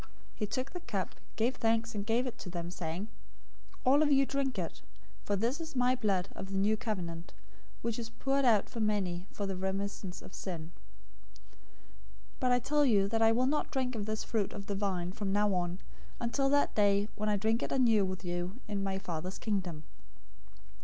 026:027 He took the cup, gave thanks, and gave to them, saying, "All of you drink it, 026:028 for this is my blood of the new covenant, which is poured out for many for the remission of sins. 026:029 But I tell you that I will not drink of this fruit of the vine from now on, until that day when I drink it anew with you in my Father's Kingdom."